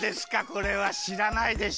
これはしらないでしょ？